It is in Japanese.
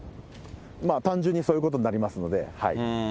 まあ単純にそういうことになりますので。